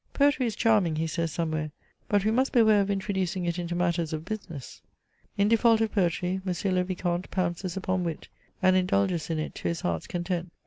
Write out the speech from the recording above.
" Poetry is charming," he says somewhere, " but we must beware of introducing it into matters of business." In default of poetry, M. le Vicomte pounces upon wit, and indulges in it to his heart's content. M.